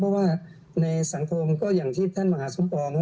เพราะว่าในสังคมก็อย่างที่ท่านมหาสมปอง